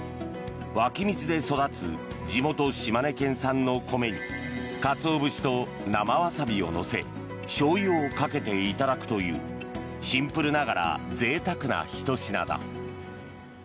湧き水で育つ地元・島根県産の米にカツオ節と生ワサビを乗せしょうゆをかけていただくというシンプルながらぜいたくなひと品だ。